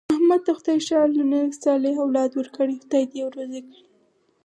احمد ته خدای ښه حل نېک صالح اولاد ورکړی، خدای یې دې روزي کړي.